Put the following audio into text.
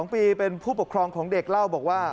๒ปีเป็นผู้ปกครองของเด็กเล่าบอกว่า